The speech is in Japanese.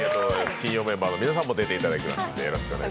金曜メンバーの皆さんも出ていただきます。